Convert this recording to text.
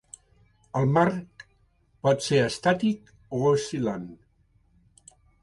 El marc pot ser estàtic o oscil·lant.